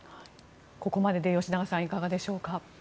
ここまでで吉永さんいかがでしょうか。